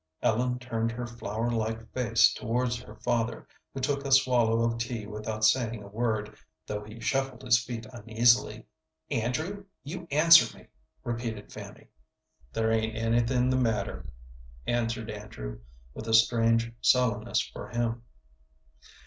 Ellen turned her flower like face towards her father, who took a swallow of tea without saying a word, though he shuffled his feet uneasily. "Andrew, you answer me," repeated Fanny. "There ain't anything the matter," answered Andrew, with a strange sullenness for him.